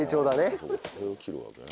それを切るわけね。